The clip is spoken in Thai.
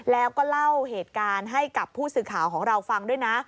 แล้วก็เล่าเหตุการณ์ให้กับผู้สื่อข่าวของเราฟังด้วยนะ